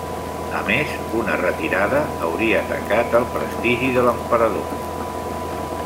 A més, una retirada hauria tacat el prestigi de l'emperador.